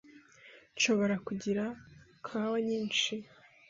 Nshobora kugira kawa nyinshi?